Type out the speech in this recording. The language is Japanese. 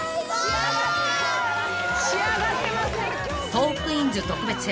［『トークィーンズ』特別編！